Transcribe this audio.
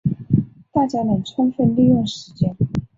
大家能充分利用时间